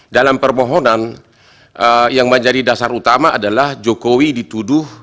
dalam permohonan yang menjadi dasar utama adalah jokowi dituduh